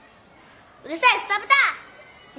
うるさいささブタ。